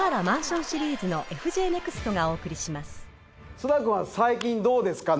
菅田君は最近どうですか？